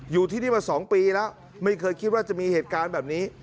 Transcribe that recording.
อยู่ที่นี่มา๒ปีแล้วไม่เคยคิดว่าจะมีเหตุการณ์แบบนี้